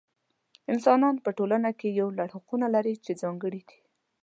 انسانان په ټولنه کې یو لړ حقونه لري چې ځانګړي دي.